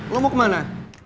lo mau kemana